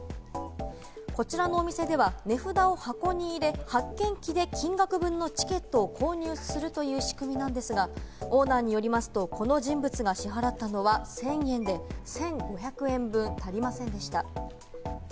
こちらのお店では値札を箱に入れ、発券機で金額分のチケットを購入するという仕組みなんですが、オーナーによりますと、この人物が支払ったのは１０００円で、１５００円分足りませんでした。